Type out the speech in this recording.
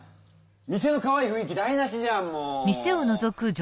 店のかわいいふんい気だいなしじゃんもう！